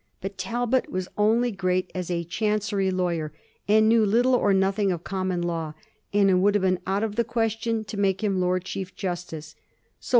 But Talbot wns only great as a Chancery lawyer, and knew little or nothing of common law, and it would have been out of the question to make him Lord Chief justice.